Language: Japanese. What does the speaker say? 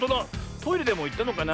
トイレでもいったのかな。